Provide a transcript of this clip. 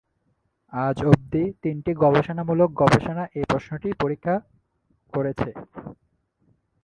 আজ অবধি, তিনটি গবেষণামূলক গবেষণা এই প্রশ্নটি পরীক্ষা করেছে।